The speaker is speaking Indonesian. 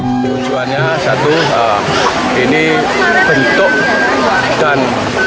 tujuannya satu ini bentuk dan